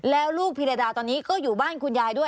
แล้วลูกพิรดาตอนนี้ก็อยู่บ้านคุณยายด้วย